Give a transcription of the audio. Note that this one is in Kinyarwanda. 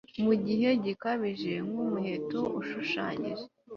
Mugihe gikabije nkumuheto ushushanyije